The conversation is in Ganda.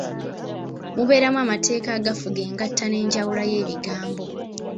Mubeeramu amateeka agafuga engatta n’enjawula y’ebigambo.